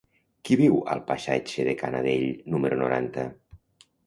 Qui viu al passatge de Canadell número noranta?